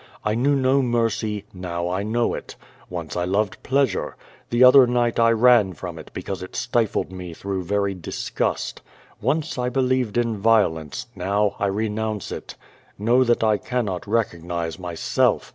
I knew no mercy, now I know it. Once I loved pleasure. The other night I ran from it because it stifled me througli very disgust. Once I believed in violence, now I renounce it. Know that I cannot recognize myself.